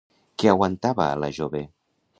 Què aguantava a la jove?